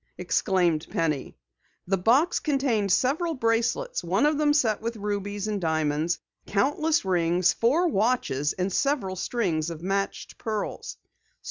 exclaimed Penny. The box contained several bracelets, one of them set with rubies and diamonds, countless rings, four watches, and several strings of matched pearls.